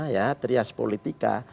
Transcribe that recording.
ya trias politika